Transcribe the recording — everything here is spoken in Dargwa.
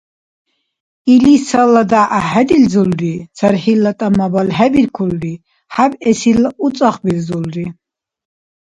Илис цала дяхӀ гӀяхӀхӀедилзулри, цархӀилла тӀама балхӀебиркулри, хӀябэсилла у цӀахбилзулри.